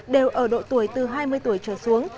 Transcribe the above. đều ở độ tuổi từ hai mươi tuổi trở xuống